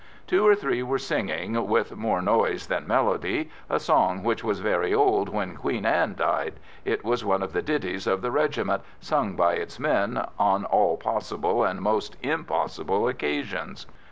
Two or three were singing, with more noise than melody, a song which was very old when Queen Anne died it was one of the ditties of the regiment, sung by its men on all possible and most impossible occasions.